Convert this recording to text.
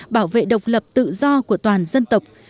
bảo vệ độc lập tự do của toàn dân tộc